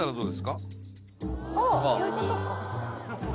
そういうことか。